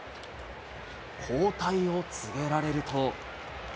交代を告げられると。